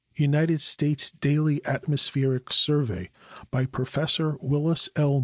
UNITED STATES DAILY ATMOSPHERIC SURVEY* By Prof. Willis L.